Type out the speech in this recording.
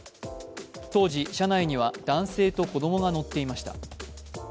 当時、車内には男性と子供が乗っていました。